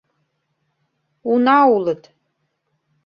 — Уна улыт.